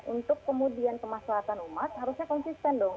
untuk kemudian kemaslahatan umat harusnya konsisten dong